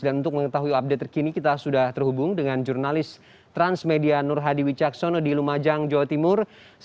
dan untuk mengetahui update terkini kita sudah terhubung dengan jurnalis transmedia nur hadi wicaksono di lumajang jawa timur